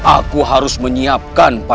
aku harus membantu dia